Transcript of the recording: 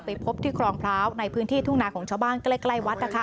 พบที่ครองพร้าวในพื้นที่ทุ่งนาของชาวบ้านใกล้วัดนะคะ